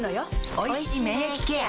おいしい免疫ケア